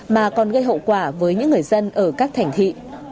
mà còn gây hậu quả với những người dân ở các thành thị